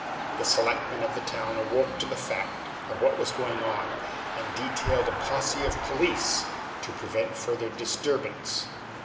The selectmen of the town awoke to the fact of what was going on, and detailed a posse of police to prevent further disturbance.